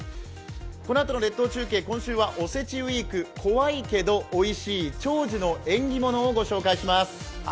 このあとの列島中継、今週はおせちウイーク怖いけどおいしい長寿の縁起物をご紹介します。